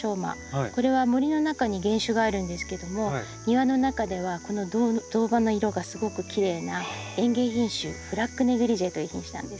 これは森の中に原種があるんですけども庭の中ではこの銅葉の色がすごくきれいな園芸品種ブラック・ネグリジェという品種なんですけど。